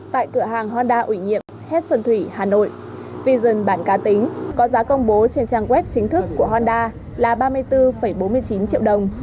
tại cửa hàng honda ủy nhiệm hed xuân thủy hà nội vision bản cá tính có giá công bố trên trang web chính thức của honda là ba mươi bốn bốn mươi chín triệu đồng